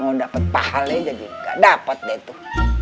mau dapet pahalnya jadi nggak dapet deh tuh